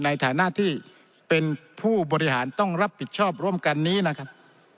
ในฐานะที่เป็นผู้บริหารต้องรับผิดชอบร่วมกันนี้นะครับ